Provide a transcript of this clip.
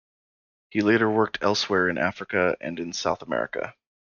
He later worked elsewhere in Africa, and in South America.